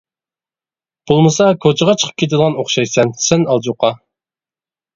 بولمىسا كوچىغا چىقىپ كېتىدىغان ئوخشايسەن، سەن ئالىجوقا.